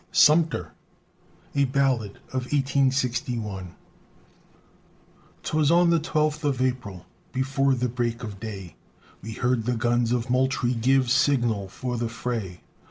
SUMTER A BALLAD OF 1861 'Twas on the twelfth of April, Before the break of day. We heard the guns of Moultrie Give signal for the fray.